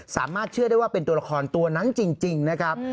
สามารถเชื่อได้ว่าเป็นตัวละครตัวนั้นจริงนะครับ